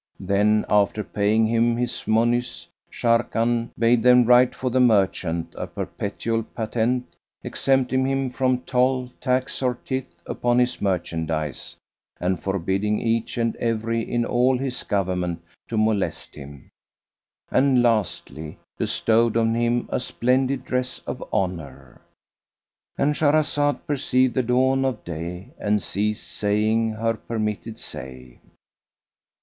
Then, after paying him his monies, Sharrkan bade them write for the merchant a perpetual patent, exempting him from toll, tax or tithe upon his merchandise and forbidding each and every in all his government to molest him, and lastly bestowed on him a splendid dress of honour.—And Shahrazad perceived the dawn of day and ceased saying her permitted say.